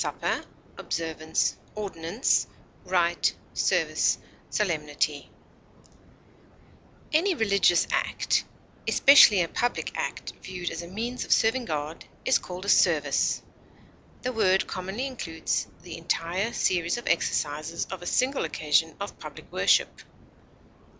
communion, Lord's Supper, ordinance, service, Any religious act, especially a public act, viewed as a means of serving God is called a service; the word commonly includes the entire series of exercises of a single occasion of public worship.